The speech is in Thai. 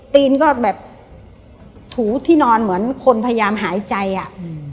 ตีนก็แบบถูที่นอนเหมือนคนพยายามหายใจอ่ะอืม